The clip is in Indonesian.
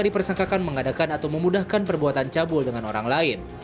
dipersangkakan mengadakan atau memudahkan perbuatan cabul dengan orang lain